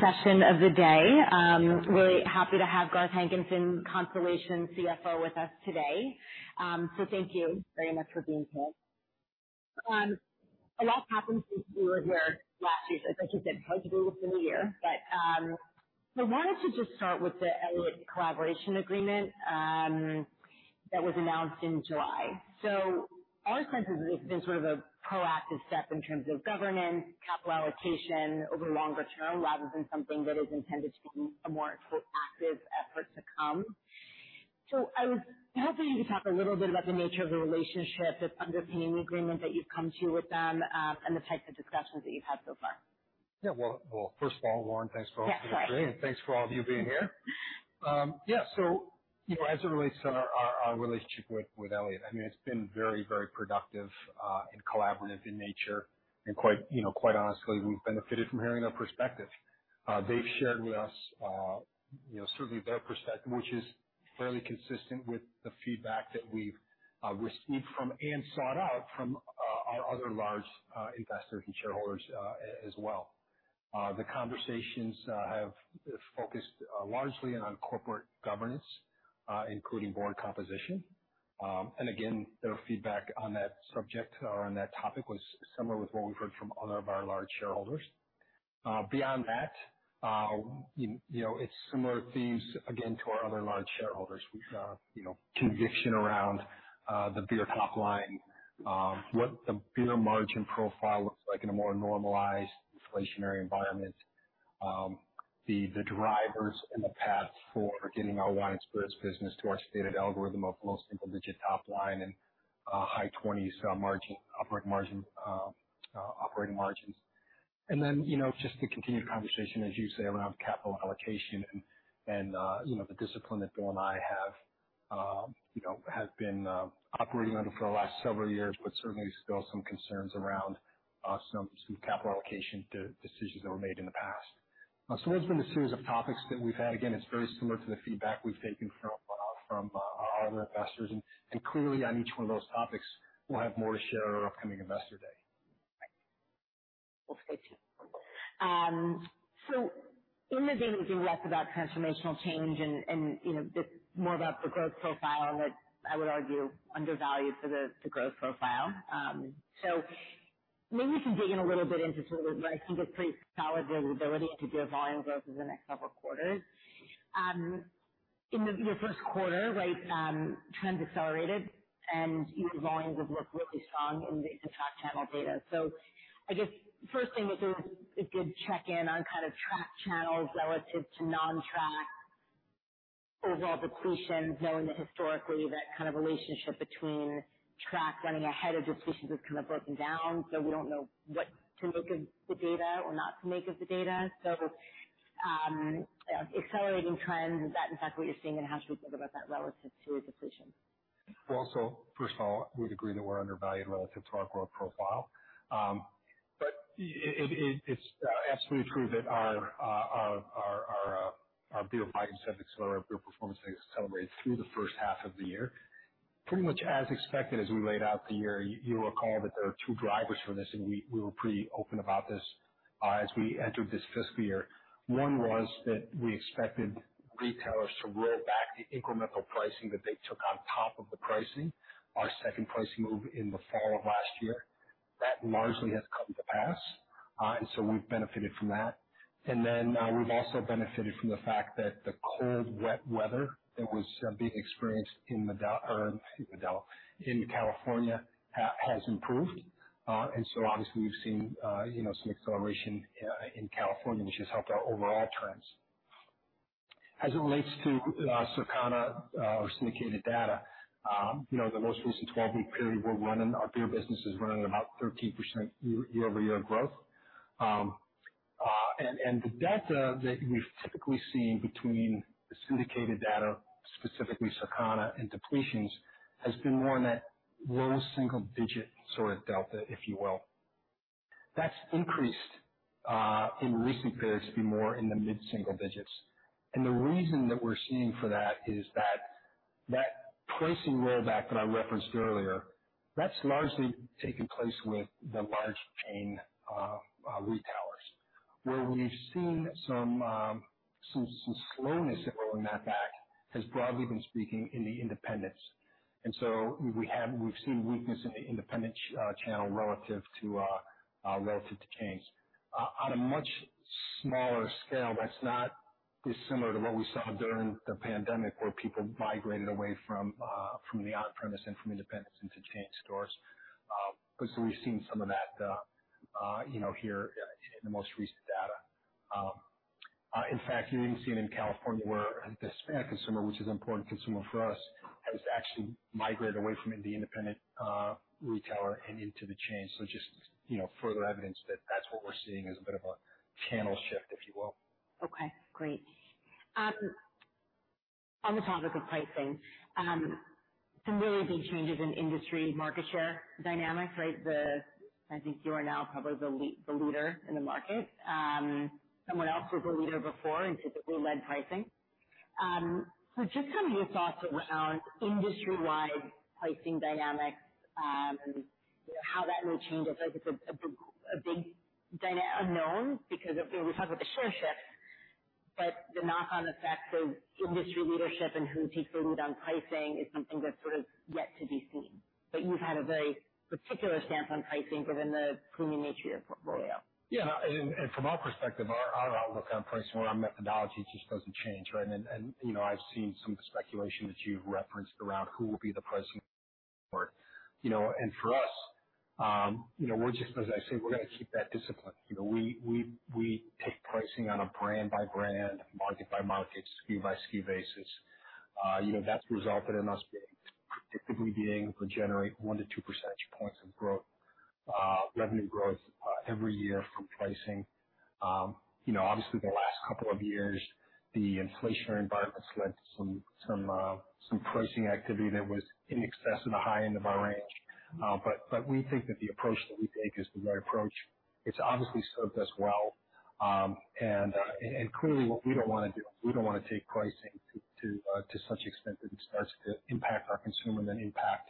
Session of the day. Really happy to have Garth Hankinson, Constellation CFO, with us today. So thank you very much for being here. A lot's happened since you were here last year. So like you said, hard to believe it's a new year, but, so why don't you just start with the Elliott collaboration agreement, that was announced in July? So our sense is this has been sort of a proactive step in terms of governance, capital allocation over longer term, rather than something that is intended to be a more active effort to come. So I was hoping you could talk a little bit about the nature of the relationship that's underpinning the agreement that you've come to with them, and the types of discussions that you've had so far. Yeah. Well, well, first of all, Lauren, thanks for- Yeah, sorry. Thanks for all of you being here. Yeah, so, you know, as it relates to our relationship with Elliott, I mean, it's been very, very productive, and collaborative in nature. And quite, you know, quite honestly, we've benefited from hearing their perspective. They've shared with us, you know, certainly their perspective, which is fairly consistent with the feedback that we've received from, and sought out from, our other large investors and shareholders, as well. The conversations have focused largely on corporate governance, including board composition. And again, their feedback on that subject or on that topic was similar with what we've heard from other of our large shareholders. Beyond that, you know, it's similar themes, again, to our other large shareholders. We've, you know, conviction around the beer top line, what the beer margin profile looks like in a more normalized inflationary environment. The drivers and the path for getting our wine and spirits business to our stated algorithm of low single-digit top line and high twenties margin, operating margin, operating margins. And then, you know, just the continued conversation, as you say, around capital allocation and the discipline that Bill and I have, you know, have been operating under for the last several years, but certainly still some concerns around some capital allocation decisions that were made in the past. So there's been a series of topics that we've had. Again, it's very similar to the feedback we've taken from our other investors. Clearly, on each one of those topics, we'll have more to share at our upcoming Investor Day. We'll stay tuned. So in the day, we hear a lot about transformational change and, you know, the more about the growth profile, which I would argue undervalued for the growth profile. So maybe you can dig in a little bit into sort of what I think is pretty solid visibility into beer volume growth over the next several quarters. In the Q1, right, trends accelerated and your volumes have looked really strong in the track channel data. So I guess first thing, was there a good check-in on kind of track channels relative to non-track overall depletions, knowing that historically, that kind of relationship between track running ahead of depletions has kind of broken down, so we don't know what to make of the data or not to make of the data? So, accelerating trends, is that in fact what you're seeing, and how should we think about that relative to depletions? Well, so first of all, we'd agree that we're undervalued relative to our growth profile. But it is absolutely true that our beer volume metrics or our beer performance things accelerated through the H1 of the year, pretty much as expected as we laid out the year. You'll recall that there are two drivers for this, and we were pretty open about this, as we entered this fiscal year. One was that we expected retailers to roll back the incremental pricing that they took on top of the pricing, our second pricing move in the fall of last year. That largely has come to pass, and so we've benefited from that. We've also benefited from the fact that the cold, wet weather that was being experienced in Madera in California has improved. So obviously we've seen, you know, some acceleration in California, which has helped our overall trends. As it relates to Circana or syndicated data, you know, the most recent 12-week period we're running, our beer business is running about 13% year-over-year growth. And the delta that we've typically seen between the syndicated data, specifically Circana and depletions, has been more in that low single-digit sort of delta, if you will. That's increased in recent periods to be more in the mid single-digits. The reason that we're seeing for that is that pricing rollback that I referenced earlier, that's largely taken place with the large chain retailers. Where we've seen some slowness in rolling that back has broadly speaking been in the independents. So we've seen weakness in the independent channel relative to chains. On a much smaller scale, that's not dissimilar to what we saw during the pandemic, where people migrated away from the on-premise and from independents into chain stores. But so we've seen some of that, you know, here in the most recent data. In fact, you even see it in California, where the Hispanic consumer, which is an important consumer for us, has actually migrated away from the independent retailer and into the chains. So just, you know, further evidence that that's what we're seeing as a bit of a channel shift, if you will. Okay, great. On the topic of pricing, some really big changes in industry, market share dynamics, right? The... I think you are now probably the leader in the market. Someone else was the leader before and typically led pricing. So just kind of your thoughts around industry-wide pricing dynamics, and how that may change, it's like it's a big unknown, because, you know, we talked about the share shift, but the knock-on effect of industry leadership and who takes the lead on pricing is something that's sort of yet to be seen. But you've had a very particular stance on pricing within the premium nature of your portfolio. Yeah, and from our perspective, our outlook on pricing, our methodology just doesn't change, right? And then, you know, I've seen some speculation that you've referenced around who will be the president forward. You know, and for us, you know, we're just as I say, we're gonna keep that discipline. You know, we take pricing on a brand by brand, market by market, SKU by SKU basis. You know, that's resulted in us typically being able to generate one to two percentage points of growth, revenue growth, every year from pricing. You know, obviously the last couple of years, the inflationary environment's led to some pricing activity that was in excess in the high end of our range. But we think that the approach that we take is the right approach. It's obviously served us well. And clearly what we don't wanna do, we don't wanna take pricing to such an extent that it starts to impact our consumer and then impact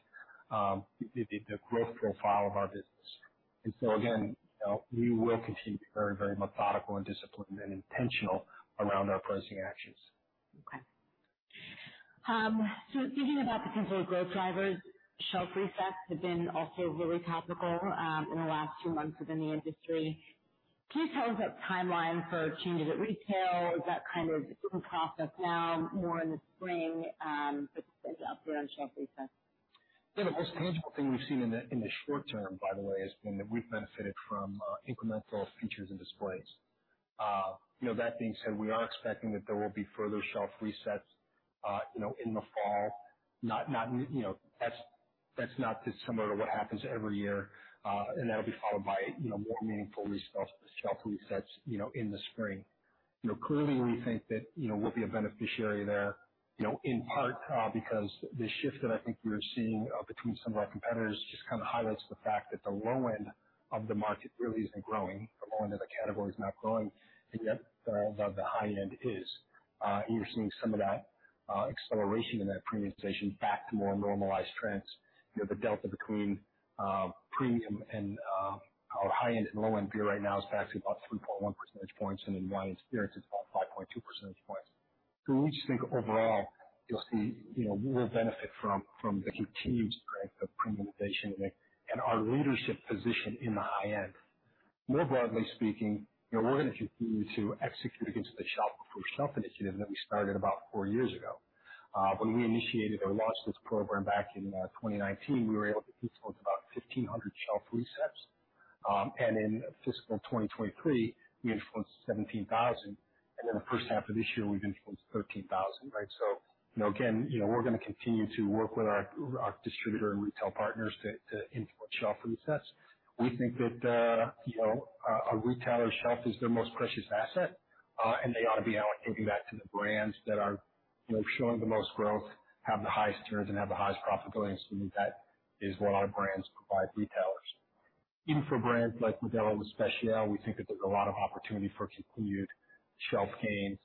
the growth profile of our business. And so again, you know, we will continue to be very, very methodical and disciplined and intentional around our pricing actions. Okay. So thinking about the consumer growth drivers, shelf resets have been also really topical, in the last two months within the industry. Can you tell us about timeline for changes at retail? Is that kind of in process now, more in the spring, with the update on shelf resets? Yeah, the most tangible thing we've seen in the short term, by the way, has been that we've benefited from incremental features and displays. You know, that being said, we are expecting that there will be further shelf resets, you know, in the fall. Not you know, that's not dissimilar to what happens every year. And that'll be followed by, you know, more meaningful shelf resets, you know, in the spring. You know, clearly we think that, you know, we'll be a beneficiary there, you know, in part, because the shift that I think we're seeing between some of our competitors just kind of highlights the fact that the low end of the market really isn't growing. The low end of the category is not growing, and yet the high end is. And you're seeing some of that acceleration in that premiumization back to more normalized trends. You know, the delta between premium and our high end and low end beer right now is actually about 3.1 percentage points, and in wine and spirits, it's about 5.2 percentage points. So we just think overall, you'll see, you know, we'll benefit from the continued strength of premiumization and the... and our leadership position in the high end. More broadly speaking, you know, we're gonna continue to execute against the Shopper First Shelf initiative that we started about four years ago. When we initiated or launched this program back in 2019, we were able to influence about 1,500 shelf resets. And in fiscal 2023, we influenced 17,000, and then the H1 of this year, we've influenced 13,000, right? So, you know, again, you know, we're gonna continue to work with our, our distributor and retail partners to, to influence shelf resets. We think that, you know, a retailer's shelf is their most precious asset, and they ought to be allocating that to the brands that are, you know, showing the most growth, have the highest terms, and have the highest profitability, and so that is what our brands provide retailers. Even for brands like Modelo Especial, we think that there's a lot of opportunity for continued shelf gains.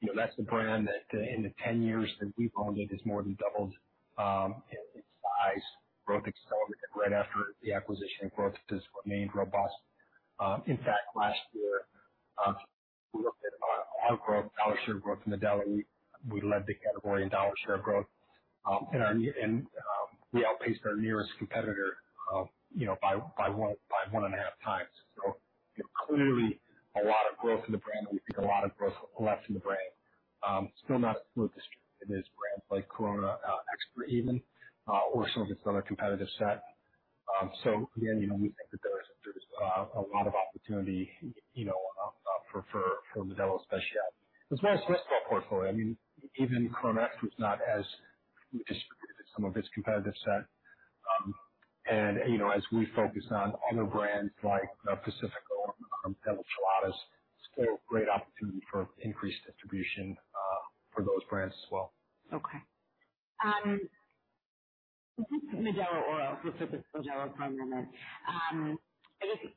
You know, that's the brand that in the 10 years that we've owned it, has more than doubled, in size. Growth accelerated right after the acquisition, and growth has remained robust. In fact, last year, we looked at our growth, dollar share growth in Modelo, and we led the category in dollar share growth. And we outpaced our nearest competitor, you know, by one and a half times. So, you know, clearly a lot of growth in the brand, and we think a lot of growth left in the brand. Still not as well distributed as brands like Corona Extra even, or some of its other competitive set. So again, you know, we think that there is a lot of opportunity, you know, for Modelo Especial. As well as the rest of our portfolio, I mean, even Corona Extra is not as distributed as some of its competitive set. You know, as we focus on other brands like Pacifico or Modelo Cheladas, still great opportunity for increased distribution for those brands as well. Okay. Just Modelo Oro, let's stick with Modelo for a moment. I just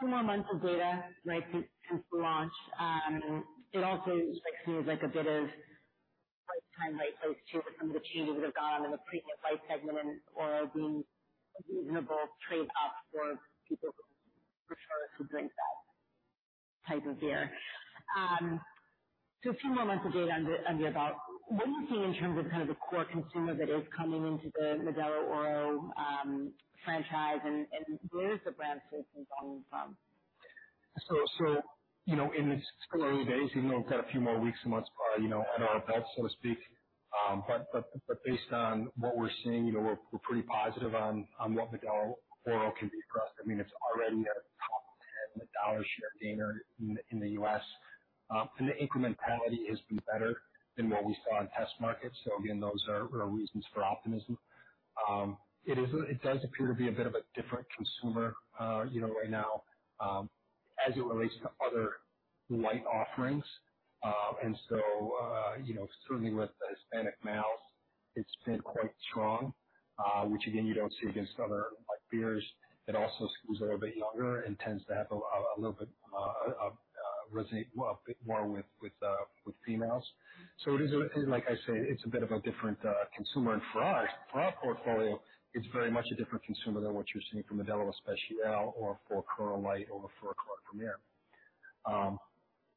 two more months of data, right, since the launch. It also just seems like a bit of right time, right place, too, with some of the changes that have gone in the premium light segment and Oro being a reasonable trade up for people who, consumers who drink that type of beer. So a few more months of data under your belt. What are you seeing in terms of kind of the core consumer that is coming into the Modelo Oro franchise and where is the brand sort of coming from? So, you know, in its early days, even though we've got a few more weeks and months, you know, under our belt, so to speak, but based on what we're seeing, you know, we're pretty positive on what Modelo Oro can be for us. I mean, it's already a top 10 dollar share gainer in the U.S., and the incrementality has been better than what we saw in test markets. So again, those are reasons for optimism. It does appear to be a bit of a different consumer, you know, right now, as it relates to other light offerings. And so, you know, certainly with the Hispanic males, it's been quite strong, which again, you don't see against other light beers. It also skews a little bit younger and tends to have a little bit resonate well a bit more with females. So it is a, like I say, it's a bit of a different consumer. And for us, for our portfolio, it's very much a different consumer than what you're seeing from a Modelo Especial or for Corona Light or for a Corona Premier.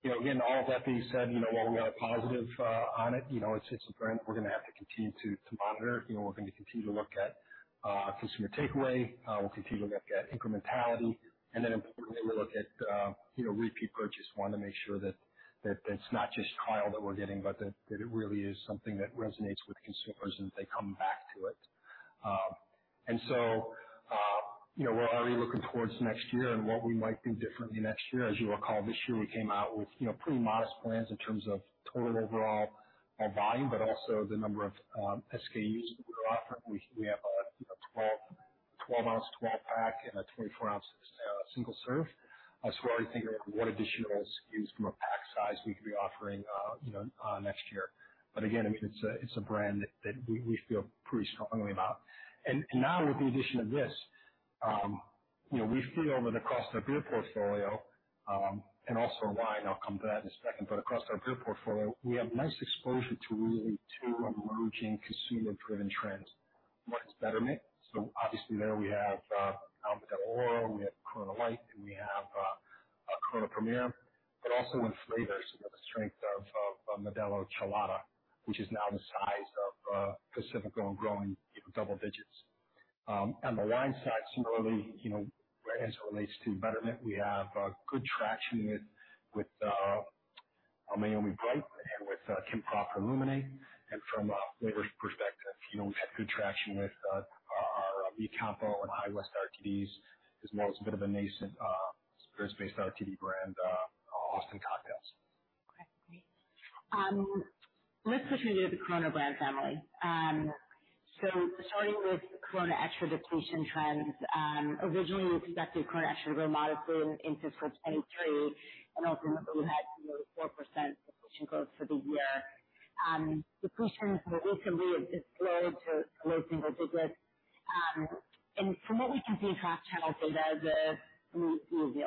You know, again, all of that being said, you know, while we are positive on it, you know, it's a brand we're gonna have to continue to monitor. You know, we're going to continue to look at consumer takeaway. We'll continue to look at incrementality, and then importantly, we'll look at you know, repeat purchase. We wanna make sure that that it's not just trial that we're getting, but that that it really is something that resonates with consumers and they come back to it. And so, you know, we're already looking towards next year and what we might do differently next year. As you'll recall, this year we came out with, you know, pretty modest plans in terms of total overall volume, but also the number of SKUs that we were offering. We have a, you know, 12-oz 12-pack and a 24-oz single serve. So we're already thinking what additional SKUs from a pack size we could be offering, you know, next year. But again, I mean, it's a brand that we feel pretty strongly about. Now with the addition of this, you know, we feel that across our beer portfolio, and also wine, I'll come to that in a second. But across our beer portfolio, we have nice exposure to really two emerging consumer-driven trends. One is betterment. So obviously there we have Modelo Oro, we have Corona Light, and we have Corona Premier. But also in flavors, we have the strength of Modelo Chelada, which is now the size of Pacifico and growing in double digits. On the wine side, similarly, you know, as it relates to betterment, we have good traction with Meiomi Bright and with Kim Crawford Illuminate. From a flavors perspective, you know, we've had good traction with our Mi Campo and High West RTDs, as well as a bit of a nascent spirits-based RTD brand, Austin Cocktails. Okay, great. Let's switch into the Corona brand family. So starting with Corona Extra depletion trends, originally we expected Corona Extra to grow modestly in, into 2023, and also remember we had, you know, 4% depletion growth for the year. Depletion more recently has slowed to low single digits. And from what we can see across channel data, the it might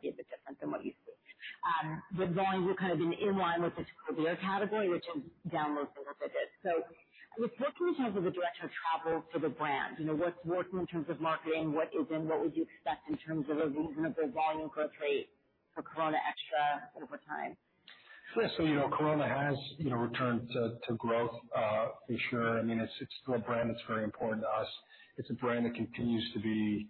be a bit different than what you see. But volume, we're kind of in, in line with the total beer category, which is down low single digits. So what's working in terms of the direction of travel for the brand? You know, what's working in terms of marketing? What is and what would you expect in terms of a reasonable volume growth rate for Corona Extra over time? Sure. So, you know, Corona has, you know, returned to growth, for sure. I mean, it's still a brand that's very important to us. It's a brand that continues to be,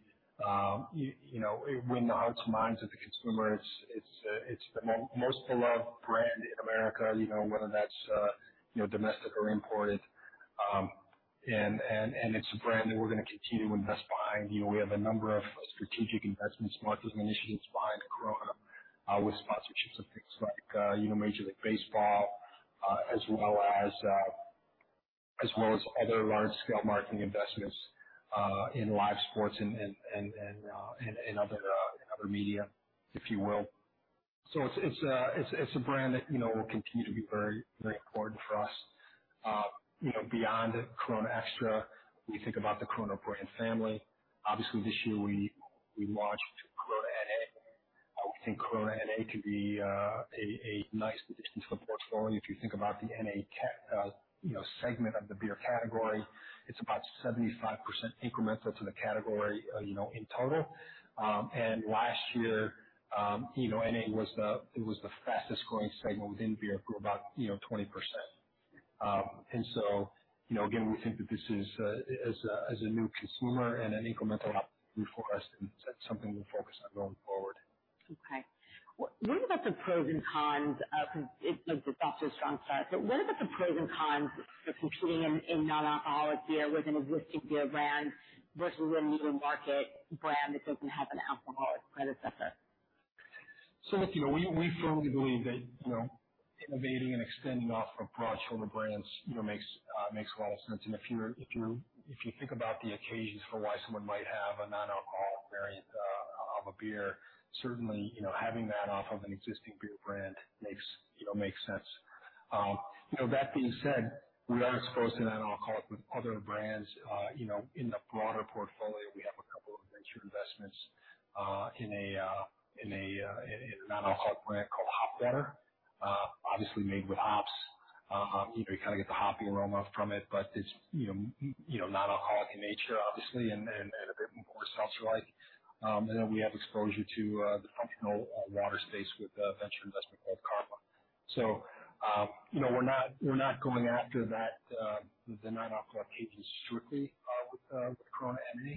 you know, win the hearts and minds of the consumer. It's the most beloved brand in America, you know, whether that's, you know, domestic or imported. And it's a brand that we're gonna continue to invest behind. You know, we have a number of strategic investment marketing initiatives behind Corona, with sponsorships of things like, you know, Major League Baseball, as well as other large scale marketing investments in live sports and other media, if you will. So it's a brand that, you know, will continue to be very, very important for us. You know, beyond Corona Extra, when you think about the Corona brand family, obviously this year we launched Corona NA. We think Corona NA can be a nice addition to the portfolio. If you think about the NA segment of the beer category, it's about 75% incremental to the category, you know, in total. And last year, you know, NA was the fastest growing segment within beer, grew about, you know, 20%. And so, you know, again, we think that this is a new consumer and an incremental opportunity for us, and that's something we'll focus on going forward. Okay. That's a strong start, but what about the pros and cons of competing in non-alcoholic beer within a whiskey beer brand versus a middle market brand that doesn't have an alcoholic predecessor? So, look, you know, we firmly believe that, you know, innovating and extending off of broad shoulder brands, you know, makes a lot of sense. And if you think about the occasions for why someone might have a non-alcoholic variant of a beer, certainly, you know, having that off of an existing beer brand makes, you know, makes sense. You know, that being said, we are exposed to non-alcoholic with other brands. You know, in the broader portfolio, we have a couple of venture investments in a non-alcoholic brand called HOP WTR. Obviously made with hops. You know, you kind of get the hoppy aromas from it, but it's, you know, non-alcoholic in nature, obviously, and a bit more seltzer-like. And then we have exposure to the functional water space with a venture investment called Karma. So, you know, we're not, we're not going after that, the non-alcoholic occasions strictly, with Corona NA.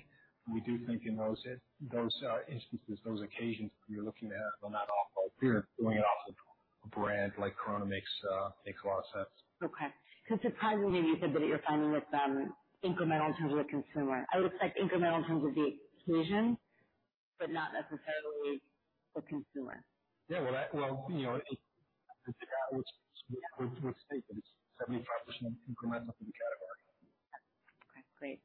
We do think in those instances, those occasions, you're looking at a non-alcoholic beer, doing it off a brand like Corona makes a lot of sense. Okay. So it's surprising to me you said that you're finding with, incremental in terms of the consumer. I would expect incremental in terms of the occasion, but not necessarily the consumer. Yeah, well, that. Well, you know, to figure out which, which statement is 75% incremental to the category. Okay, great.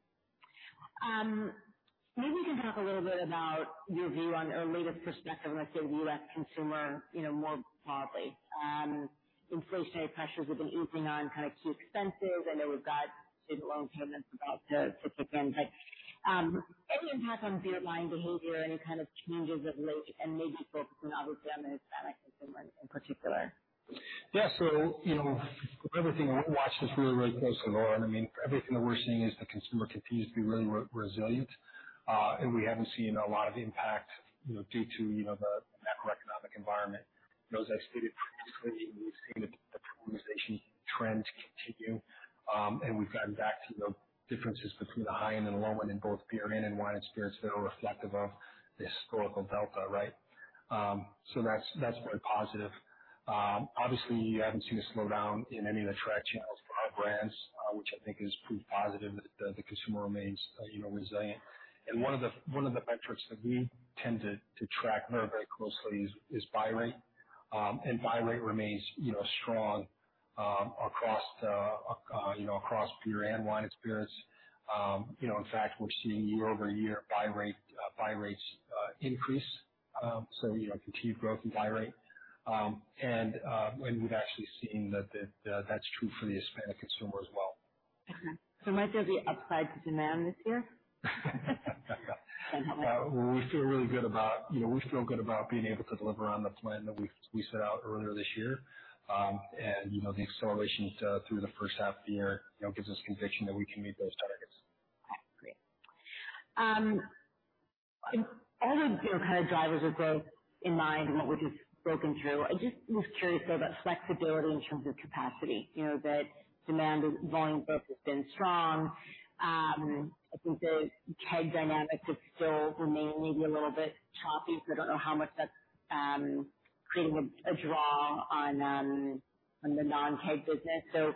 Maybe we can talk a little bit about your view on our latest perspective on, let's say, the U.S. consumer, you know, more broadly. Inflationary pressures have been easing on kind of key expenses, and then we've got student loan payments about to kick in. Any impact on beer line behavior, any kind of changes of late and maybe focus on obviously our Hispanic consumers in particular? Yeah. So, you know, everything we've watched this really, really closely, Lauren. I mean, everything that we're seeing is the consumer continues to be really resilient. And we haven't seen a lot of impact, you know, due to, you know, the macroeconomic environment. You know, as I stated previously, we've seen the premiumization trend continue, and we've gotten back to the differences between the high end and the low end in both beer and wine experience that are reflective of the historical delta, right? So that's, that's very positive. Obviously, you haven't seen a slowdown in any of the trade channels for our brands, which I think is proof positive that the consumer remains, you know, resilient. And one of the, one of the metrics that we tend to track very, very closely is buy rate. And buy rate remains, you know, strong across, you know, across beer and wine experience. You just, in fact, we're seeing year-over-year buy rate, buy rates increase. So, you know, continued growth in buy rate. And, and we've actually seen that, that that's true for the Hispanic consumer as well. Okay. So might there be upside to demand this year? We feel really good about, you know, we feel good about being able to deliver on the plan that we set out earlier this year. You know, the acceleration through the H1 of the year, you know, gives us conviction that we can meet those targets. Okay, great. All the, you know, kind of drivers of growth in mind and what we've just broken through, I just was curious, though, about flexibility in terms of capacity. You know, that demand, volume growth has been strong. I think the keg dynamics have still remained maybe a little bit choppy, so I don't know how much that's creating a draw on the non-keg business. So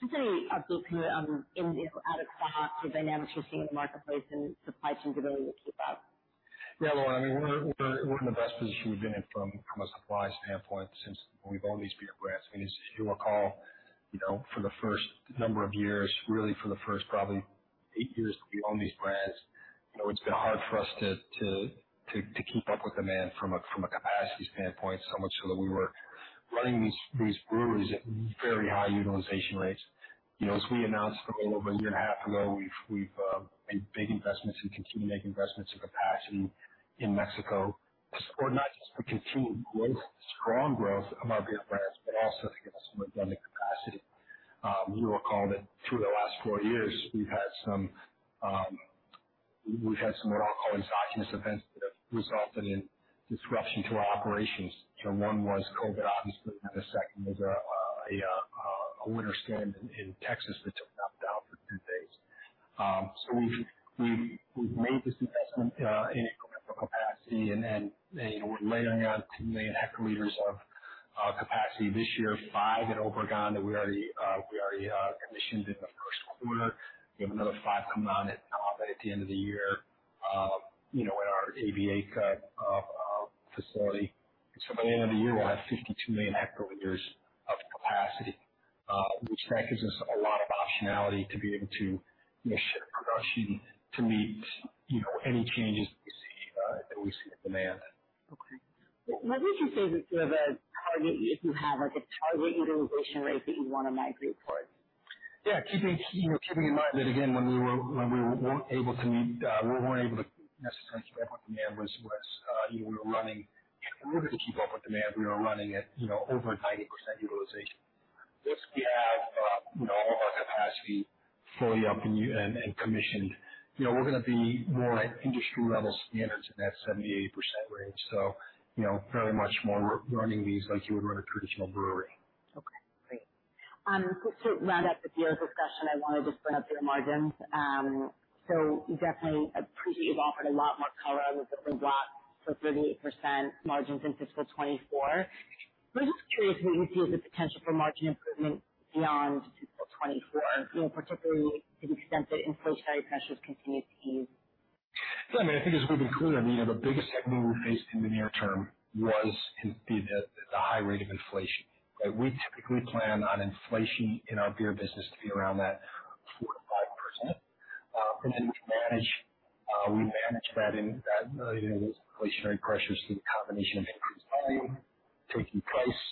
just an update here on in, out-of-stock, the dynamics you're seeing in the marketplace and supply chain ability to keep up. Yeah, Lauren, I mean, we're in the best position we've been in from a supply standpoint since we've owned these beer brands. I mean, as you'll recall, you know, for the first number of years, really for the first probably eight years that we own these brands, you know, it's been hard for us to keep up with demand from a capacity standpoint. So much so that we were running these breweries at very high utilization rates. You know, as we announced a little over a year and a half ago, we've made big investments and continue to make investments in capacity in Mexico, or not just for continued growth, strong growth of our beer brands, but also to give us some redundant capacity. You'll recall that through the last four years, we've had some alcoholic exogenous events that have resulted in disruption to our operations. You know, one was Covid, obviously, and the second was a winter storm in Texas that took us down for two days. So we've made this investment in capacity, and we're layering on two million hectoliters of capacity this year, five at Obregón, that we already commissioned in the Q1. We have another five coming on at the end of the year, you know, in our Nava facility. By the end of the year, we'll have 52 million hectoliters of capacity, which gives us a lot of optionality to be able to shift production to meet, you know, any changes that we see in demand. Okay. Well, let me just say that you have a target, if you have, like, a target utilization rate that you want to migrate towards. Yeah, keeping, you know, keeping in mind that again, when we weren't able to meet, we weren't able to necessarily keep up with demand, you know, we were running. In order to keep up with demand, we were running at, you know, over 90% utilization. Once we have, you know, all of our capacity fully up and commissioned, you know, we're gonna be more at industry level standards in that 70%-80% range. So, you know, very much more running these like you would run a traditional brewery. Okay, great. Just to round up the beer discussion, I wanted to bring up your margins. So we definitely appreciate you've offered a lot more color on the different blocks for 38% margins in fiscal 2024. But I'm just curious what you see as the potential for margin improvement beyond fiscal 2024, you know, particularly to the extent that inflationary pressures continue to ease. Yeah, I mean, I think it's really clear. I mean, the biggest headwind we faced in the near term was the high rate of inflation, right? We typically plan on inflation in our beer business to be around that 4%-5%. And then we manage that, those inflationary pressures through the combination of increased volume, taking price,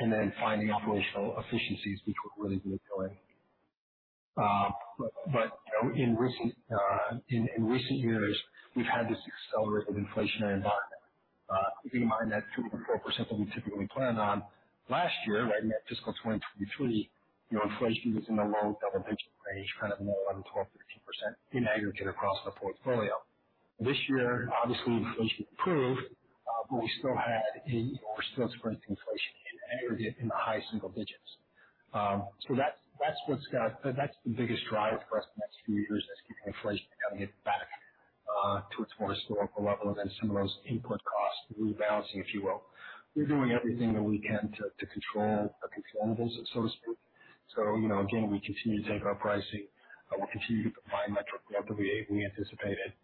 and then finding operational efficiencies, which we're really good at doing. But you know, in recent years, we've had this accelerated inflationary environment. Keeping in mind that 2%-4% that we typically plan on, last year, right, in that fiscal 2023, you know, inflation was in the low double-digit range, kind of more around 12%-13% in aggregate across the portfolio. This year, obviously, inflation improved, but we still had a, you know, we're still experiencing inflation in aggregate in the high single digits. So that's, that's what's got. That's the biggest driver for us the next few years, is keeping inflation and getting it back to its more historical levels and some of those input costs rebalancing, if you will. We're doing everything that we can to control the controllables, so to speak. So, you know, again, we continue to take our pricing. We'll continue to provide more metrics than we anticipated.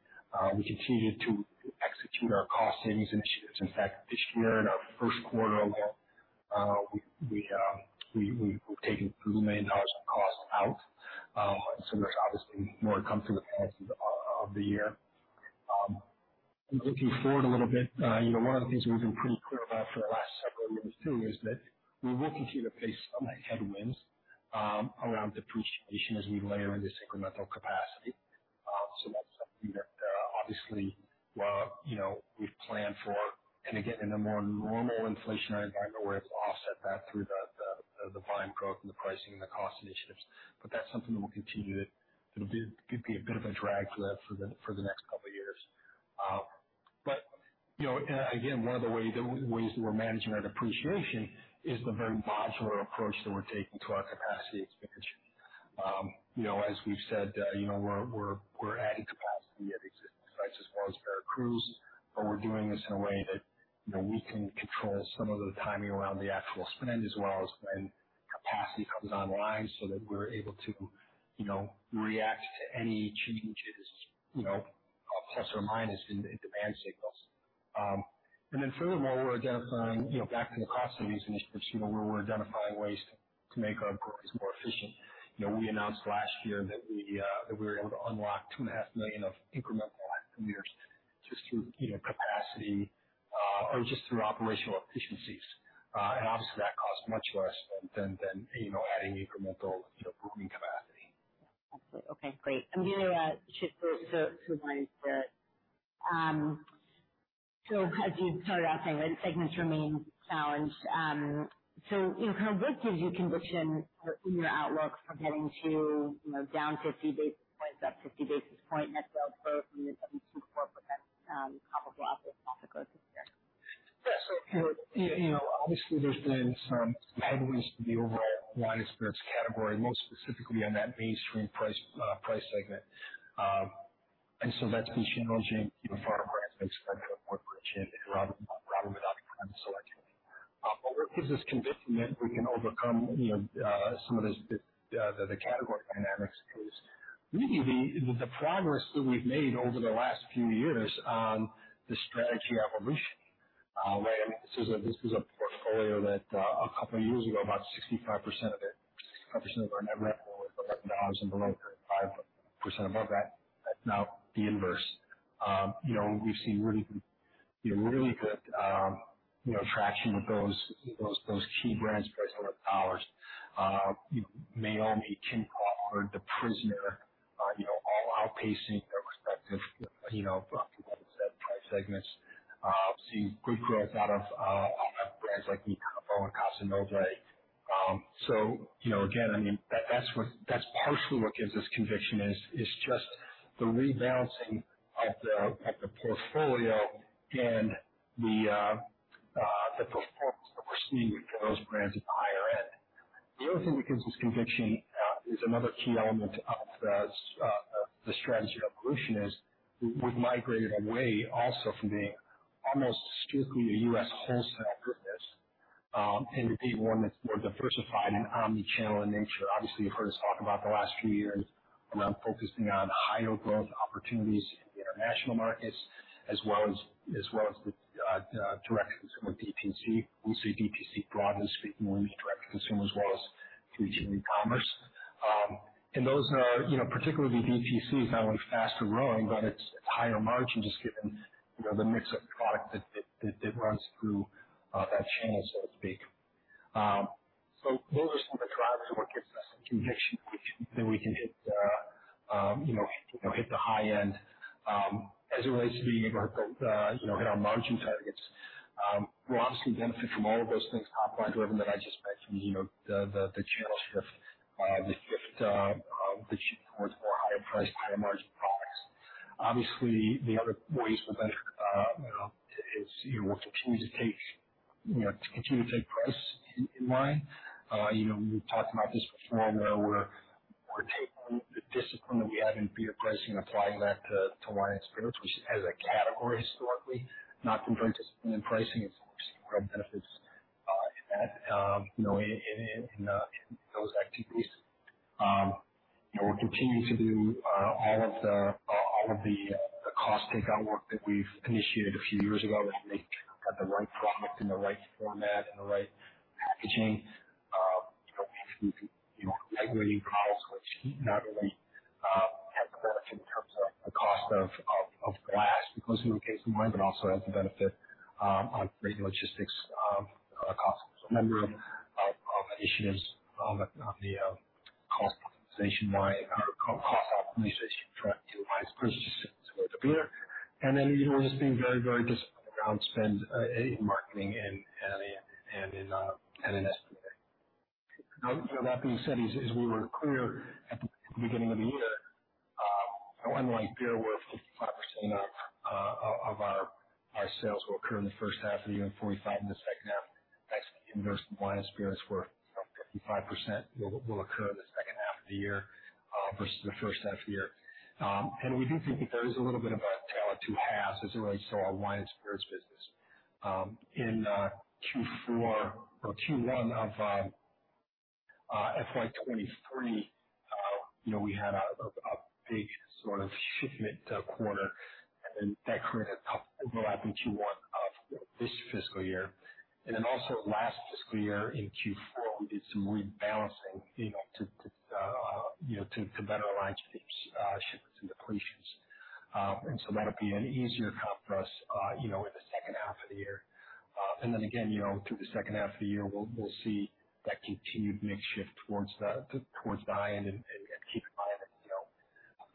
We continue to execute our cost savings initiatives. In fact, this year, in our Q1 alone, we've taken $3 million of costs out. So there's obviously more to come through the rest of the year. Looking forward a little bit, you know, one of the things we've been pretty clear about for the last several years, too, is that we will continue to face some headwinds around depreciation as we layer in this incremental capacity. So that's something that, obviously, well, you know, we've planned for. And again, in a more normal inflationary environment, where we'll offset that through the volume growth and the pricing and the cost initiatives. But that's something that we'll continue to. It'll be, could be a bit of a drag to that for the next couple of years. But, you know, and again, one of the ways that we're managing that depreciation is the very modular approach that we're taking to our capacity expansion. You know, as we've said, you know, we're adding capacity at existing sites as well as Veracruz, but we're doing this in a way that, you know, we can control some of the timing around the actual spend, as well as when capacity comes online, so that we're able to, you know, react to any changes, you know, plus or minus in demand signals. And then furthermore, we're identifying, you know, back to the cost savings initiatives, you know, where we're identifying ways to make our growers more efficient. You know, we announced last year that we were able to unlock $2.5 million of incremental last few years just through, you know, capacity, or just through operational efficiencies. And obviously, that costs much less than, you know, adding incremental, you know, brewing capacity. Absolutely. Okay, great. Then, just so, so Wine Spirits. So as you started off saying, the segments remain challenged. So, you know, kind of what gives you conviction in your outlook from getting to, you know, down 50 basis points, up 50 basis point net sales growth from your 22 core %, top and bottom of the growth this year? Yeah. So, you know, obviously there's been some headwinds to the overall wine spirits category, most specifically on that mainstream price, price segment. And so that's been challenging, you know, for our brands like Woodbridge and Robert Mondavi Private Selection. But what gives us conviction that we can overcome, you know, some of this, the, the category dynamics is really the, the progress that we've made over the last few years on the strategy evolution. And this is a, this is a portfolio that, a couple of years ago, about 65% of it, 65% of our net revenue was under dollars and below 35% above that. That's now the inverse. You know, we've seen really, really good, you know, traction with those, those, those key brands priced over dollars. You know, Meiomi, Kim Crawford, or The Prisoner, you know, all outpacing their respective, you know, like I said, price segments. Seeing good growth out of brands like Mi Campo and Casa Noble. So, you know, again, I mean, that's what-- that's partially what gives us conviction is, is just the rebalancing of the, of the portfolio and the, the performance that we're seeing with those brands at the higher end. The other thing that gives us conviction is another key element of the, the strategy evolution is we've migrated away also from the almost strictly a U.S. wholesale business, and to be one that's more diversified and omni-channel in nature. Obviously, you've heard us talk about the last few years around focusing on higher growth opportunities in international markets as well as with direct-to-consumer DTC. We see DTC broadly speaking more as direct-to-consumer as well as through e-commerce. And those are, you know, particularly the DTC is not only faster growing, but it's higher margin, just given, you know, the mix of product that runs through that channel, so to speak. So those are some of the drivers what gives us the conviction that we can hit, you know, hit the high end. As it relates to being able to, you know, hit our margin targets, we'll obviously benefit from all of those things, top line driven, that I just mentioned, you know, the channel shift, the shift towards more higher priced, higher margin products. Obviously, the other ways that, you know, we'll continue to take, you know, to continue to take price in line. You know, we've talked about this before, where we're taking the discipline that we have in beer pricing and applying that to wine and spirits, which as a category, historically not been very disciplined in pricing. It's seeing great benefits in that, you know, in those activities. You know, we'll continue to do all of the cost takeout work that we've initiated a few years ago to make sure we've got the right product in the right format and the right packaging. You know, we've lightweighting bottles, which not only has benefit in terms of the cost of glass, because we were casing wine, but also has the benefit on logistics costs. A number of initiatives on the cost optimization wine or cost optimization for wine spirits similar to beer. And then, you know, just being very, very disciplined around spend in marketing and in SG&A. Now, you know, that being said, we were clear at the beginning of the year, unlike beer, where 55% of our sales will occur in the H1 of the year, and 45 in the H2. That's inverse to wine and spirits, where around 55% will occur in the H2 of the year, versus the H1 of the year. And we do think that there is a little bit of a tail at two halves as it relates to our wine and spirits business. In Q4 or Q1 of FY 2023, you know, we had a big sort of shipment quarter, and then that created a tough overlapping Q1. This fiscal year, and then also last fiscal year in Q4, we did some rebalancing, you know, to, to, you know, to, to better align shipments and depletions. And so that'll be an easier comp for us, you know, in the H2 of the year. And then again, you know, through the H2 of the year, we'll, we'll see that continued mix shift towards the, to- towards the high end and, and, and keep in mind, you know,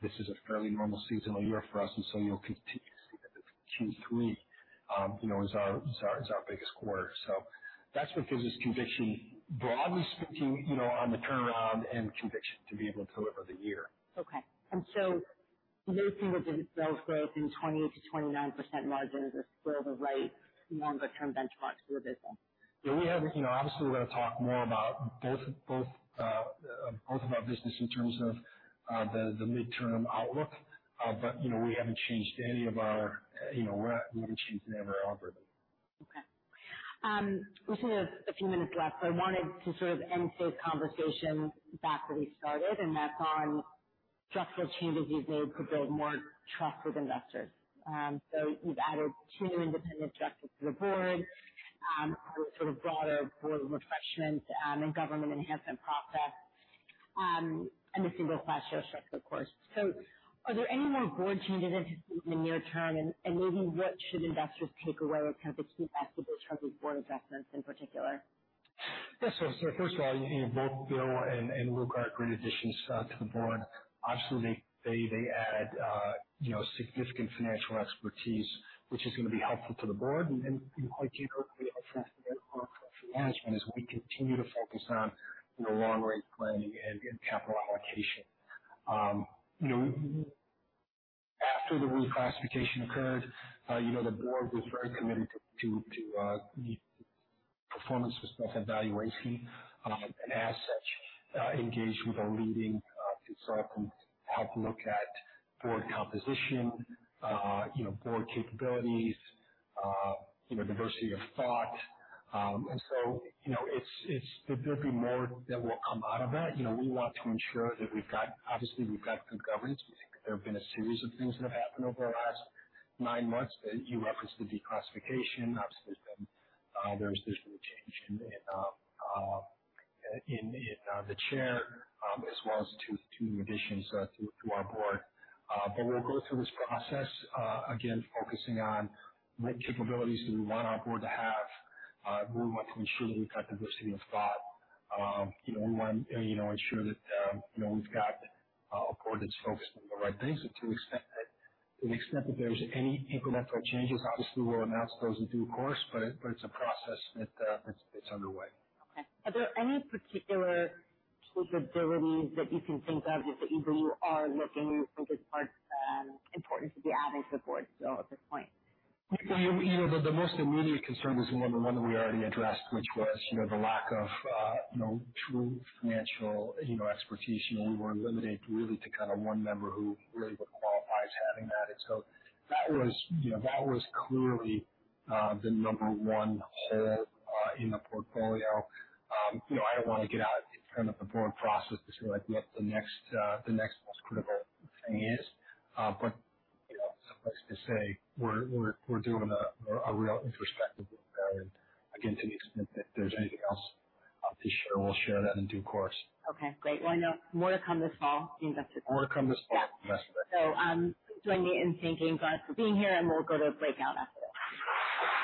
this is a fairly normal seasonal year for us, and so you'll keep Q3, you know, as our, as our, as our biggest quarter. So that's what gives us conviction, broadly speaking, you know, on the turnaround and conviction to be able to deliver the year. Okay. And so you think of the sales growth in 20%-29% margin as still the right longer term benchmarks for the business? Yeah, you know, obviously, we're gonna talk more about both of our business in terms of the midterm outlook. But, you know, we haven't changed any of our, you know, we're not, we haven't changed any of our algorithm. Okay. We just have a few minutes left, so I wanted to sort of end today's conversation back where we started, and that's on structural changes you've made to build more trust with investors. So you've added two independent directors to the board, and sort of broader board refreshment, and governance enhancement process, and a single class share structure, of course. So are there any more board changes in the near term? And maybe what should investors take away as kind of the key aspects of those board adjustments in particular? Yes. So first of all, you know, both Bill and Luca are great additions to the board. Obviously, they add you know, significant financial expertise, which is gonna be helpful to the board and, you know, quite frankly, helpful for management as we continue to focus on, you know, long-range planning and capital allocation. You know, after the reclassification occurred, you know, the board was very committed to performance assessment evaluation, and as such, engaged with our leading consultant to help look at board composition, you know, board capabilities, you know, diversity of thought. And so, you know, it's there'll be more that will come out of that. You know, we want to ensure that we've got... obviously, we've got good governance. There have been a series of things that have happened over the last nine months. You referenced the declassification. Obviously, there's been a change in the chair, as well as two additions to our board. But we'll go through this process again, focusing on what capabilities do we want our board to have. We want to ensure that we've got diversity of thought. You know, we want, you know, ensure that, you know, we've got a board that's focused on the right things. So to expect that, to the extent that there's any incremental changes, obviously, we'll announce those in due course, but it's a process that it's underway. Okay. Are there any particular capabilities that you can think of that you believe are looking as part important to be adding to the board at this point? You know, the most immediate concern was the number one that we already addressed, which was, you know, the lack of, you know, true financial, you know, expertise. You know, we were limited really to kind of one member who really would qualify as having that. And so that was, you know, that was clearly the number one hole in the portfolio. You know, I don't want to get out in front of the board process to sort of like what the next most critical thing is. But, you know, suffice to say, we're doing a real introspective look there, and again, to the extent that there's anything else to share, we'll share that in due course. Okay, great. Well, then more to come this fall, investors. More to come this fall, yes. So, join me in thanking Garth for being here, and we'll go to a breakout after this.